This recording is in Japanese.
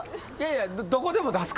いやどこでも出すから。